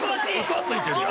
嘘ついてるやん。